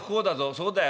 そうだよ。